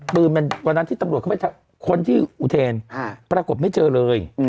ปืนมันวันนั้นที่ตำรวจเข้าไปค้นที่อุเทรนปรากฏไม่เจอเลย